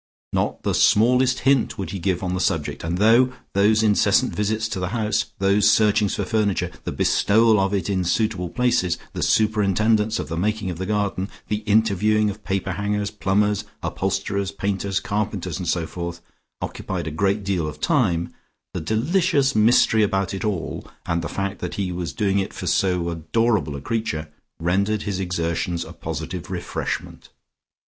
Not the smallest hint would he give on the subject, and though those incessant visits to the house, those searchings for furniture, the bestowal of it in suitable places, the superintendence of the making of the garden, the interviewings of paperhangers, plumbers, upholsterers, painters, carpenters and so forth occupied a great deal of time, the delicious mystery about it all, and the fact that he was doing it for so adorable a creature, rendered his exertions a positive refreshment.